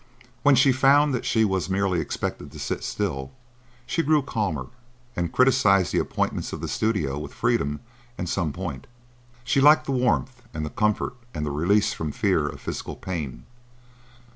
When she found that she was merely expected to sit still, she grew calmer, and criticised the appointments of the studio with freedom and some point. She liked the warmth and the comfort and the release from fear of physical pain.